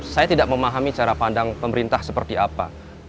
saya tidak memahami cara pandang pemerintah seperti apa